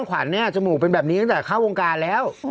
ขวัญเนี่ยจมูกเป็นแบบนี้ตั้งแต่เข้าวงการแล้ว